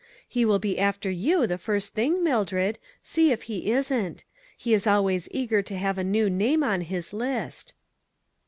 He will be after you the first thing, Mildred ; see if he isn't. He is al ways eager to have a new name on his list."